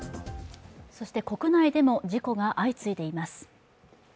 そして国内でも事故が相次いでいます。